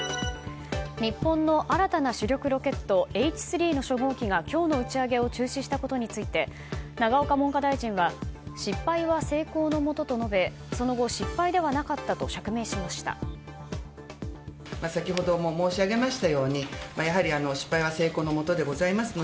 日本の新たな主力ロケットＨ３の初号機が今日の打ち上げを中止したことについて永岡文科大臣は失敗は成功のもとと述べその後、失敗ではなかったと釈明しました。